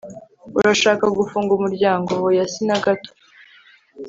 urashaka gufunga umuryango? oya, si na gato